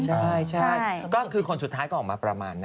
ใช่ก็คือคนสุดท้ายก็ออกมาประมาณนั้น